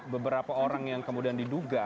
beberapa orang yang kemudian diduga